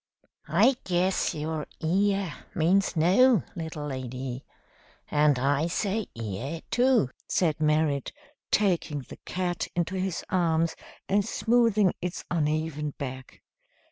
"I guess your 'Iya' means no, little lady, and I say 'Iya' too," said Merrit, taking the cat into his arms and smoothing its uneven back.